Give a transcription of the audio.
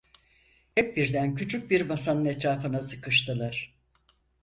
Hep birden küçük bir masanın etrafına sıkıştılar.